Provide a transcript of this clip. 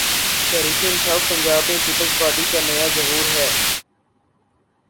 تحریک انصاف پنجاب میں peoples party کا نیا ظہور ہے۔